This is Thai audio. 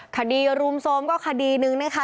คดีรุมโทรมก็คดีนึงนะคะ